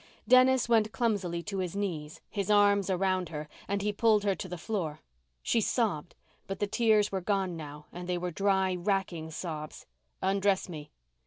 Dennis went clumsily to his knees, his arms around her, and he pulled her to the floor. She sobbed, but the tears were gone now and they were dry, wracking sobs. "Undress me."